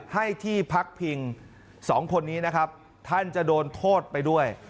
ให้ที่พักพิงสองคนนี้นะครับท่านจะโดนโทษไปด้วย